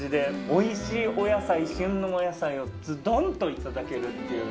おいしいお野菜旬のお野菜をズドンといただけるっていう。